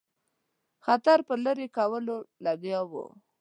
خطر په لیري کولو لګیا وو.